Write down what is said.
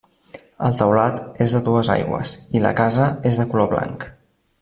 El teulat és de dues aigües, i la casa és de color blanc.